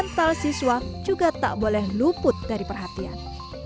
mental siswa juga tak boleh luput dari perhatian